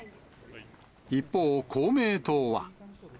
一方、公明党は。